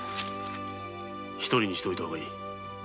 １人にしておいた方がいい